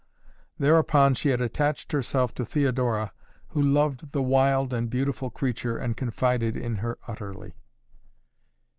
Thereupon she had attached herself to Theodora who loved the wild and beautiful creature and confided in her utterly.